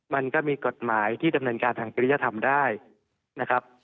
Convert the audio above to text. มันก็มีกฎหมายที่ดำเนินการทางจริยธรรมได้นะครับ